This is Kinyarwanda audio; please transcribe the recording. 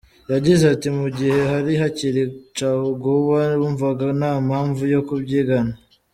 Yagize ati “Mu gihe hari hakiri caguwa, wumvaga nta mpamvu yo kubyigana.